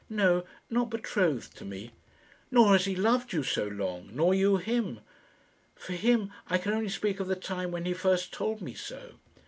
"No; not betrothed to me." "Nor has he loved you so long; nor you him?" "For him, I can only speak of the time when he first told me so."